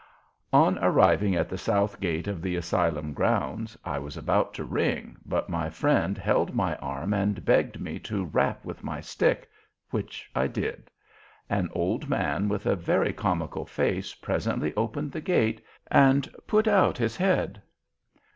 On arriving at the south gate of the Asylum grounds, I was about to ring, but my friend held my arm and begged me to rap with my stick, which I did. An old man with a very comical face presently opened the gate and put out his head.